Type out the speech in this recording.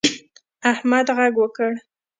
احمد غږ وکړ.